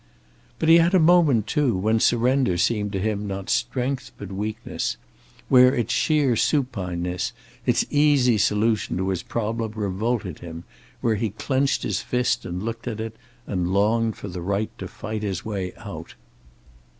But he had a moment, too, when surrender seemed to him not strength but weakness; where its sheer supineness, its easy solution to his problem revolted him, where he clenched his fist and looked at it, and longed for the right to fight his way out.